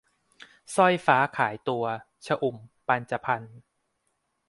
สร้อยฟ้าขายตัว - ชอุ่ม ปัญจพรรค์